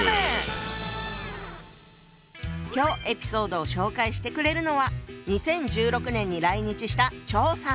今日エピソードを紹介してくれるのは２０１６年に来日した張さん。